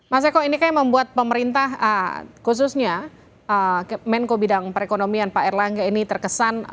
mas eko ini kan yang membuat pemerintah khususnya menko bidang perekonomian pak erlangga ini terkesan